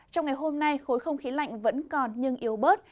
trong ngày hôm nay khối không khí lạnh vẫn còn nhưng yếu bớt